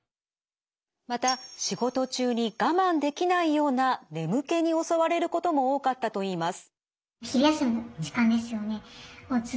また仕事中に我慢できないような眠気に襲われることも多かったといいます。